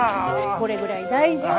これぐらい大丈夫。